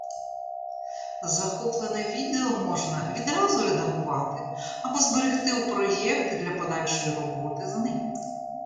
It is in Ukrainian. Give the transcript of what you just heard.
Захоплене відео можна відразу редагувати або зберегти у проект для подальшої роботи з ним.